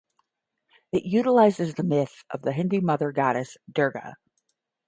It utilizes the myth of the Hindu mother Goddess, Durga.